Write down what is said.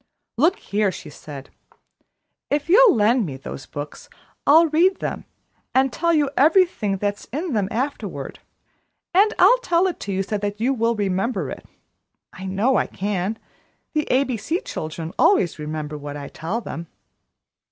"Look here!" she said. "If you'll lend me those books, I'll read them and tell you everything that's in them afterward, and I'll tell it to you so that you will remember it. I know I can. The A B C children always remember what I tell them."